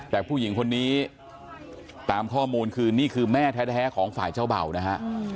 แต่ผู้หญิงคนนี้ตามข้อมูลคือนี่คือแม่แท้ของฝ่ายเจ้าเบานะฮะ